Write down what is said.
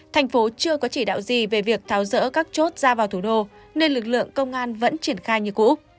thành phố chưa có chỉ đạo gì về việc tháo rỡ các chốt ra vào thủ đô nên lực lượng công an vẫn triển khai như cũ